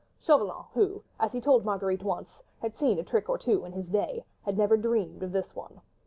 Chauvelin, who, as he told Marguerite once, had seen a trick or two in his day, had never dreamed of this one.